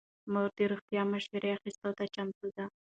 مور د روغتیايي مشورې اخیستلو ته چمتو ده.